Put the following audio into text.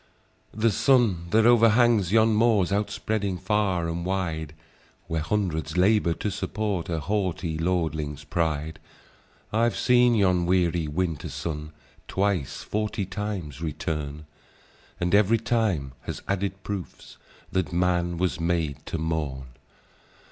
"The sun that overhangs yon moors, Out spreading far and wide, Where hundreds labour to support A haughty lordling's pride;— I've seen yon weary winter sun Twice forty times return; And ev'ry time has added proofs, That man was made to mourn.